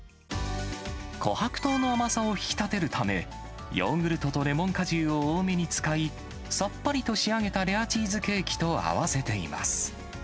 こはく糖の甘さを引き立てるため、ヨーグルトとレモン果汁を多めに使い、さっぱりと仕上げたレアチーズケーキと合わせています。